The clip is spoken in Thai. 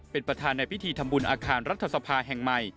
เป็นประธานในพิธีทำบุญอาคารรัฐสภาแห่งใหม่